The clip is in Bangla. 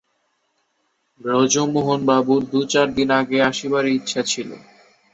ব্রজমোহনবাবুর দু-চার দিন আগে আসিবারই ইচ্ছা ছিল।